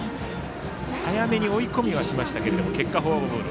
早めに追い込みはしましたが結果、フォアボール。